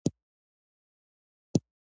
د لغمان کرکټ ښار د اشوکا پلازمېنه وه